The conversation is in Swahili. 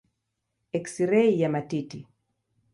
Eksirei ya matiti.